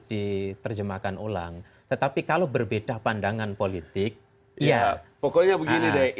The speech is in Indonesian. diterjemahkan ulang tetapi kalau berbeda pandangan politik ya pokoknya begini deh